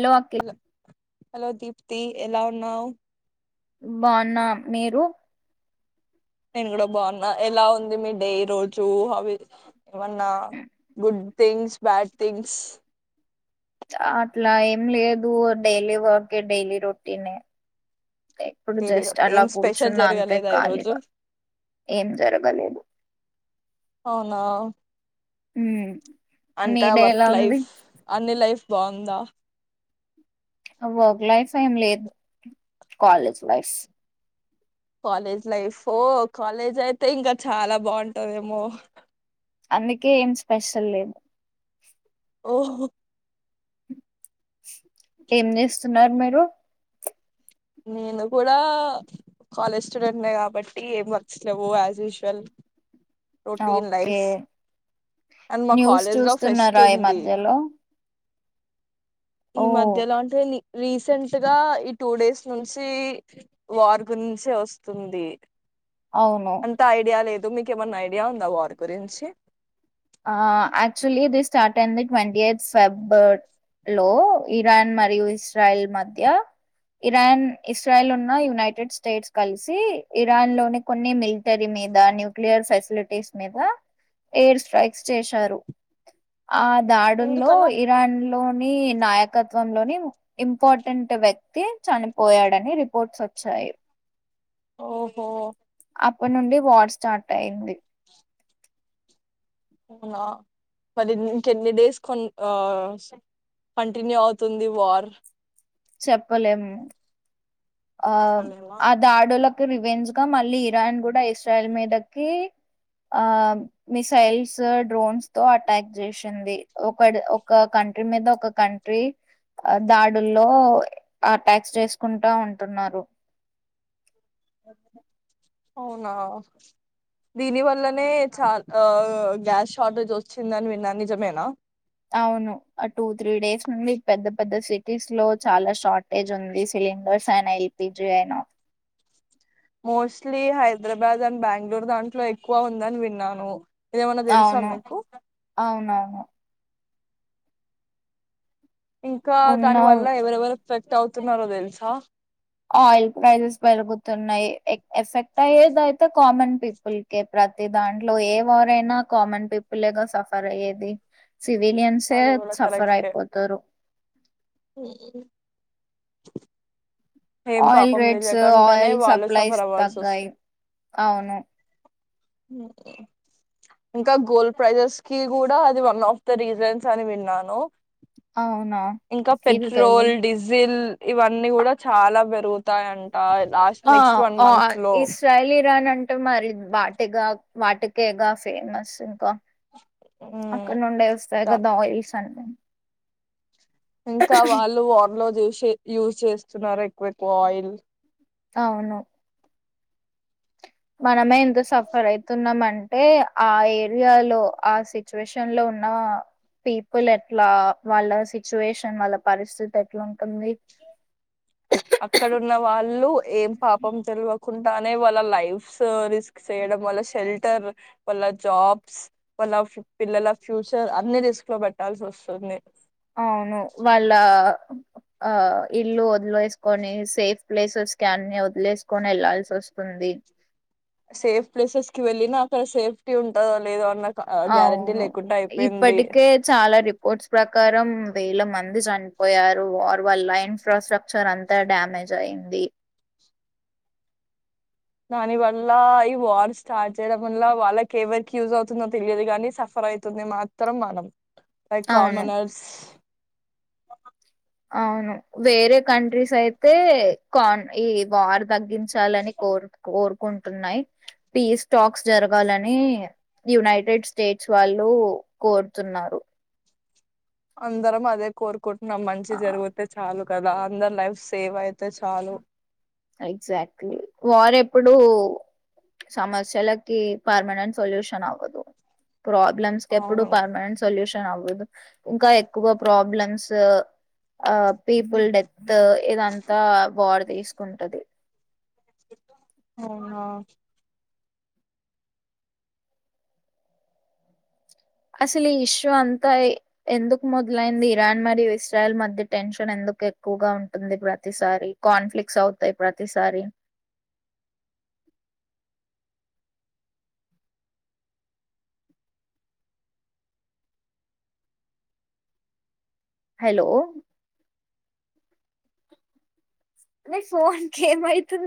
లో కిల hello hello Deepti ఎలా ఉన్నావ్ బాన్నా మీరు నేను గూడా బావున్నా ఎలా ఉంది మీ డే ఈ రోజు హవ్ ఇవన్నా గుడ్ థింగ్స్ బ్యాడ్ థింగ్స్ ఛ అట్లా ఏం లేదు డైయిలీ వర్కె డైలీ రోటీన్ ఏ ఇప్పుడు తెలియదు జస్ట్ అలా ఏం స్పెషల్ కూర్చున్న అంతే జరగలేదా ఈరోజు ఖాళీగా ఏం జరగలేదు అవునా మ్మ్. అంత మీ డే ఎలా వర్క్ ఉంది లైఫ్ అన్ని లైఫ్ బాందా వర్క్ లైఫ్ ఏం లేదు కాలేజ్ లైఫ్ కాలేజ్ లైఫో కాలేజ్ అయితే ఇంకా చాలా బావుంటందేమో అందుకే ఏం స్పెషల్ లేదు ఓహో ఏం చేస్తున్నారు మీరు నేను కూడా కాలేజ్ స్టూడెంట్నే కాబట్టి ఏం వర్క్స్ లేవు as usual routine okay life and మా న్యూస్ కాలేజ్ లో ఫెస్ట్ చూస్తున్నారా ఈ ఉంది మధ్యలో ఈ ఓ మధ్యలో అంటే రీసెంట్ గా ఈ టూ డేస్ నుంచి వార్ గురించే వస్తుంది అవును అంత ఐడియా లేదు మీకు ఏమన్నా ఐడియా ఉందా వార్ గురించి ఆ ఆక్చుల్లీ ఇది స్టార్ట్ అయింది ట్వంటీ ఎయిత్ ఫెబ్ లో ఇరాన్ మరియు ఇస్రాయిల్ మధ్య ఇరాన్ ఇస్రాయిల్ ఉన్న యునైటెడ్ స్టేట్స్ కలిసి ఇరాన్ లోని కొన్ని మిలిటరీ మీద న్యూక్లియర్ ఫెసిలిటీస్ మీద ఎయిర్ స్ట్రైక్ చేశారు ఆ దాడుల్లో ఎందుకలా ఇరాన్ లో నీ నాయకత్వంలోని ఇంపార్టెంట్ వ్యక్తి చనిపోయాడని రిపోర్ట్స్ వచ్చాయి అఎప్ ఓహో అప్పటి నుండి వార్ స్టార్ట్ అయింది అవునా మరి ఇంకెన్ని డేస్ కొన్ని ఆ కంటిన్యూ అవుతుంది వార్ చెప్పలేము ఆవ్ చెప్పలేమా ఆ దాడుల గు వెంజ్గా మళ్ళీ ఇరాన్ కూడా ఇస్రాయిల్ మీదకి ఆ మిసైల్స్ డ్రోన్స్ తో అటాక్ జేసింది ఒక ఒక క క మీద ఒక కంట్రీ ద రల్లో ఆట్యాక్స్ చేసుకుంటా ఉంటున్నారు అవునా దీని వల్లనే చాలా గ్యాస్ షార్టేజ్ వచ్చిందని విన్నా నిజమేనా అవును ఆ టూ త్రీ డేస్ నుండి పెద్ద పెద్ద సిటీస్ లో చాలా షార్టేజ్ ఉంది సిండర్స్ అయిన ఎల్పిపీజీ అయిన మోస్ట్లీ హైదరాబాద్ అండ్ బెంగళూరు దాంట్లో ఎక్కువ ఉందని విన్నాను ఇదిమన్నా తెలుసా అవును మీకు అవునవును ఇంకా దాని ఉన్న వల్ల ఎవరెవరు ఎఫెక్ట్ అవుతున్నారో తెలుసా ఆయిల్ ప్రైజెస్ పెరుగుతున్నాయి ఎఫెక్ట్ అయ్యేది అయితే కామన్ పీపుల్ క ప్రతి దాంట్లో ఏ వారైనా కామన్ పీపుల్గా సఫర్ అయ్యేది సివిలియన్సే అది కూడా సఫర్ కరెక్టే అయిపోతారు ఏం ఆయిల్ పాపం రేట్స్ తెలియకంటనే ఆయిల్ వాళ్ళు సప్లైస్ సఫర్ అవ్వాల్సి తగ్గాయి వస్తుంది అవును అహ ఇంకా గోల్డ్ ప్రైజెస్ కి కూడా అది వన్ ఆఫ్ ద రీజన్స్ అని విన్నాను అవునా ఇంకా ఇది పెట్రోల్ తెలీదు డీజిల్ ఇవన్నీ కూడా చాలా పెరుగుత వతాయంట లాస్ట్ ఆ నెక్స్ట్ వన్ ఆ మంత్ లో ఇస్రాయల్ ఇరాన్ అంటే మరి వాటిగా వాటికేగా ఫేమస్ ఇంకా అక్కడ ఉమ్, నుండే వస్తాయి కదా ఆయిల్స్ అన్న ఇంకా వాళ్ళు వార్ లో చూసి యూస్ చేస్తున్నారు ఎక్కువ ఎక్కువ ఆయిల్ అవును మనమే ఇంత సఫర్ అవుతున్నాం అంట అంటే ఆ ఏరియాలో ఆ సిచ్యువేషన్ లో ఉన్న పీపుల్ ఎట్లా వాళ్ళ సిచ్యువేషన్ వాళ్ళ పరిస్థితి ఎట్లా ఉంటుంది అక్కడ ఉన్న వాళ్ళు ఏం పాపం తెలవకుండానే వాళ్ళ లైఫ్స్ రిస్క్స్ వాళ్ళ షెల్టర్ వాళ్ళ జాబ్స్ వాళ్ళ పిల్లల ఫ్యూచర్ అన్ని రిస్క్ లో పెట్టాల్సి వస్తుంది అవును వాళ్ళ ఆ ఇల్లు వదిలే వసుకొని సేఫ్ ప్లేసెస్ కి అన్ని వదిలేసుకొని వెళ్లాల్సి వస్తుంది ఉంది సేఫ్ ప్లేసెస్ కి వెళ్ళిన అక్కడ సేఫ్టీ ఉంటందా లేదో అన్న గ్యారంటీ అవును లేకుండా అయిపోయింది ఇప్పటికే చాలా రిపోర్ట్స్ ప్రకారం వేల మంది చనిపోయారు వార్ వాళ్ళ ఇన్ఫ్రాస్ట్రక్చర్ అంతా డ్యామేజ్ జయింది దాని వల్ల ఈ వార్ స్టార్ట్ చేయడం వల్ల వాళ్ళకి ఎవరికి యూజ్ అవుతుందో తెలియదు కానీ సఫర్ సఫర్ అవుతుంది మాత్రం మనం లైక్ అవును కామెనర్స్ అవును వేరే కంట్రీస్ అయితే కాన్ ఈ వార్ తగ్గించాలని కోరు కోరుకుంటున్నాయి ఈ స్టాక్స్ జరగాలని యునైటెడ్ స్టేట్స్ వాళ్ళు కోరుతున్నారు అందరం అదే కోరుకుంటున్నాం మంచి ఆ జరిగితే చాలు కదా అందరు లైఫ్ సేవ్ అయితే చాలు ఎగ్జాక్ట్లీ వార్ ఎప్పుడు సమస్యలకి పర్మనెంట్ సొల్యూషన్ అవదు ప్రాబ్లమ్స్ కి ఎప్పుడు అవును పర్మనంట్ సొల్యూషన్ అవదు ఇంకా ఎక్కువ ప్రాబ్లమ్స్ పీపుల్ డెత్ ఇదంతా వార్ తీసుకుంటది అవున అసలు ఈ ఇష్యూ అంతా ఎందుకు మొదలైంది ఇరాన్ మరియు ఇస్రాయల్ మధ్య టెన్షన్ ఎందుకు ఎందుకు ఎక్కువగా ఉంటుంది ప్రతిసారి కాన్ఫ్లిక్స్ అవుతాయి ప్రతిసారి హలో నీ ఫోన్ కేమయతు